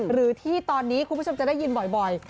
หรือที่ตอนนี้คุณผู้ชมจะได้ยินบ่อย